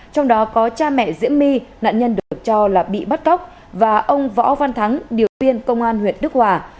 trong đó có cha mẹ diễm my nạn nhân được cho là bị bắt cóc và ông võ văn thắng điều viên công an huyện đức hòa